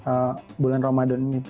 tapi pada bulan ramadan ini cukup banyak